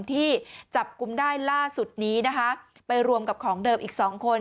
ที่จับกลุ่มได้ล่าสุดนี้นะคะไปรวมกับของเดิมอีกสองคน